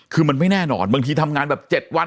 คือมันไม่แน่นอนบางทีทำงานแบบ๗วัน